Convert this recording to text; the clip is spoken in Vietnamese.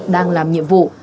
đang làm nhiệm vụ